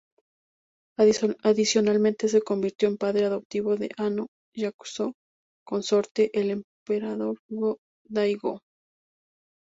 Adicionalmente se convirtió en padre adoptivo de Ano Yasuko, consorte del Emperador Go-Daigo.